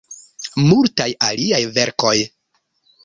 Multaj aliaj verkoj.